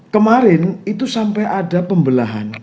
kemarin itu sampai ada pembelahan